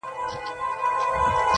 په سلګیو سو په ساندو واویلا سو.!